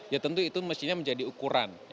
ya tentu itu mestinya menjadi ukuran